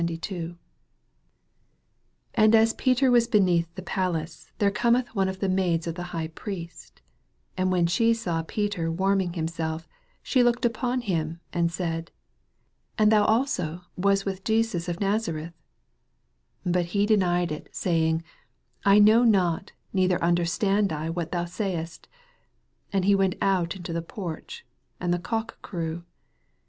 66 72 88 And as Peter a^as beneath in the palace, there cometh one of the maids of the High Priest: 67 And when she saw Peter warm ing himself, she looked upon him, and said. And thou also wast with Jesus of Nazareth. 68 But he denied, saying, I know not, neither understand I what thou sayest. And he went out into the porch : and the cock crew.